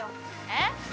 えっ？